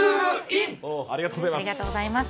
ありがとうございます。